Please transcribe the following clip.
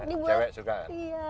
ini buat siapa sih pak